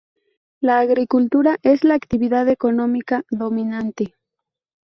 La agricultura es la actividad económica dominante.